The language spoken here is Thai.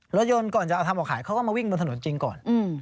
รถยนต์ก่อนจะเอาทำออกขายเขาก็มาวิ่งบนถนนจริงก่อน